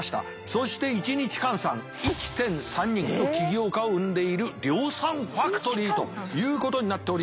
そして１日換算１．３人の起業家を生んでいる量産ファクトリーということになっております。